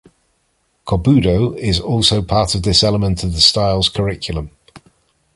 Kobudo is also part of this element of the style's curriculum.